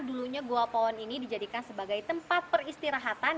dulunya gua pohon ini dijadikan sebagai tempat peristirahatan